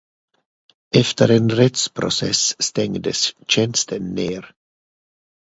Efter en rättsprocess stängdes tjänsten ner.